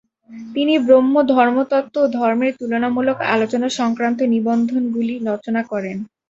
তিনি ব্রহ্ম ধর্মতত্ত্ব ও ধর্মের তুলনামূলক আলোচনা সংক্রান্ত নিবন্ধগুলো রচনা করেন।